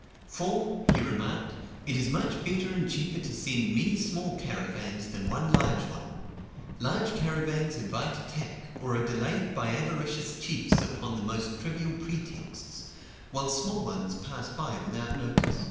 "For," he remarked, "it is much better and cheaper to send many small caravans than one large one. Large caravans invite attack, or are delayed by avaricious chiefs upon the most trivial pretexts, while small ones pass by without notice."